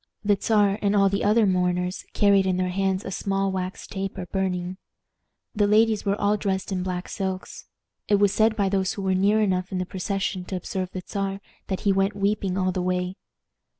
The Czar and all the other mourners carried in their hands a small wax taper burning. The ladies were all dressed in black silks. It was said by those who were near enough in the procession to observe the Czar that he went weeping all the way.